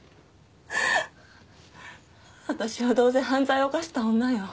私はどうせ犯罪を犯した女よ